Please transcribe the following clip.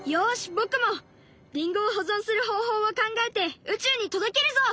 僕もりんごを保存する方法を考えて宇宙に届けるぞ！